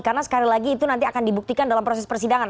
karena sekali lagi itu nanti akan dibuktikan dalam proses persidangan